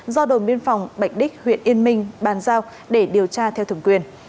do đồn biên phòng bạch đích huyện yên minh bàn giao để điều tra theo thường quyền